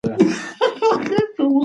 قمري بیا پورته شوه او خلی یې واخیست.